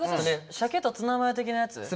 しゃけとツナマヨ的なやつ？